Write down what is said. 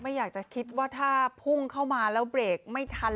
อยากจะคิดว่าถ้าพุ่งเข้ามาแล้วเบรกไม่ทัน